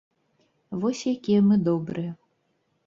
Вось якія мы добрыя!